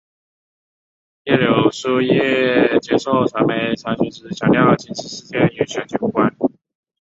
叶刘淑仪接受传媒查询时强调今次事件与选举无关。